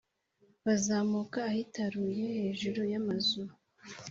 bazamuka ahitaruye hejuru y’amazu?